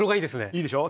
いいでしょ。